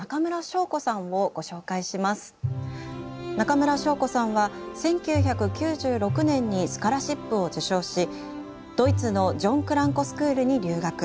中村祥子さんは１９９６年にスカラシップを受賞しドイツのジョンクランコスクールに留学。